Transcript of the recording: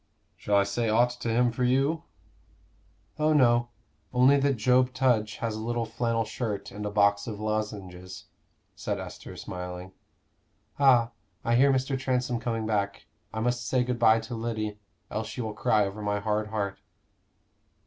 "Shall I say aught to him for you?" "Oh, no; only that Job Tudge has a little flannel shirt and a box of lozenges," said Esther, smiling. "Ah, I hear Mr. Transome coming back. I must say good bye to Lyddy, else she will cry over my hard heart."